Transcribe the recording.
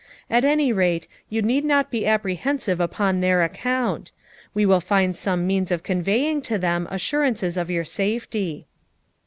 At any rate, you need not be apprehensive upon their account; and we will find some means of conveying to them assurances of your safety.'